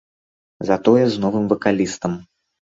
Затое з новым вакалістам.